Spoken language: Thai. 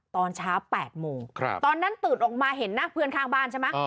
ตอนเช้า๘โมงตอนนั้นตื่นออกมาเห็นหน้าเพื่อนข้างบ้านใช่ไหม